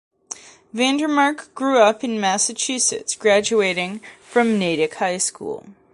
Vandermark grew up in Massachusetts, graduating from Natick High School.